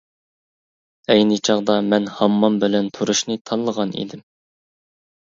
ئەينى چاغدا مەن ھاممام بىلەن تۇرۇشنى تاللىغان ئىدىم.